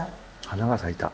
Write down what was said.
花が咲いた。